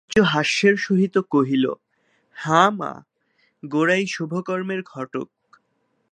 বিনয় সলজ্জ হাস্যের সহিত কহিল, হাঁ মা, গোরা এই শুভকর্মের ঘটক।